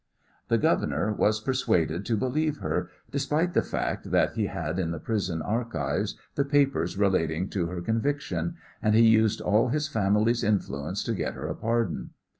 The governor was persuaded to believe her, despite the fact that he had in the prison archives the papers relating to her conviction, and he used all his family's influence to get her a pardon.